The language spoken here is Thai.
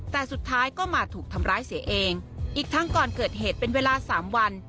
แต่สุดท้ายก็มาถูกทำร้ายเสียเองอีกทั้งก่อนเกิดเหตุเป็นเวลาสามวัน